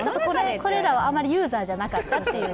これらは余りユーザーじゃなかったっていう。